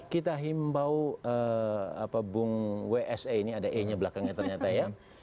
kita himbau bung wse ini ada e nya belakangnya ternyata ya